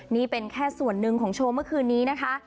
นี่เป็นแค่ส่วนหนึ่งของโชว์เมื่อคืนนี้นะคะ